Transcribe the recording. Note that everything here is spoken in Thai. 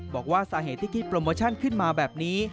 บอกว่าสาเหตุที่คิดโปรโมชั่นขึ้นมาแบบนี้